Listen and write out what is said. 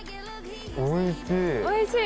おいしい？